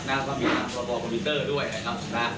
ก็มีความผิดสองส่วนด้วยนะครับ